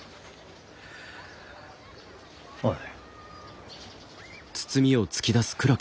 おい。